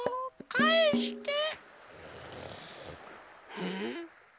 うん？